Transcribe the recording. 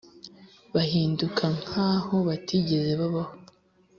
bahinduka nk’aho batigeze babaho,